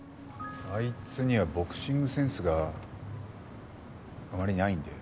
あいつにはボクシングセンスがあまりないんで。